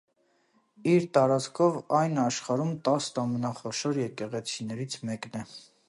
Իր տարածքով այն աշխարհում տասն ամենախոշոր եկեղեցիներից մեկն է։